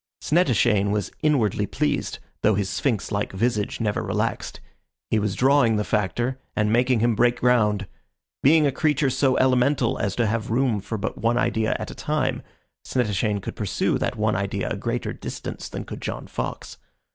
Snettishane was inwardly pleased, though his sphinx like visage never relaxed. He was drawing the Factor, and making him break ground. Being a creature so elemental as to have room for but one idea at a time, Snettishane could pursue that one idea a greater distance than could John Fox.